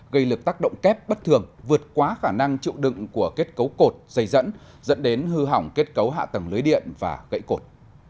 gây lực tác động kép bất thường vượt quá khả năng chịu đựng của kết cấu cột dây dẫn dẫn đến hư hỏng kết cấu hạ tầng lưới điện và gãy cột